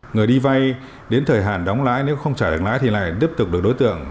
người đi vay đến thời hạn đóng lãi nếu không trả được lãi thì lại tiếp tục được đối tượng